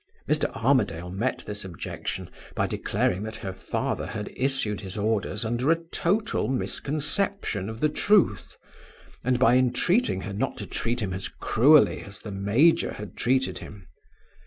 Mr. Armadale met this objection by declaring that her father had issued his orders under a total misconception of the truth, and by entreating her not to treat him as cruelly as the major had treated him.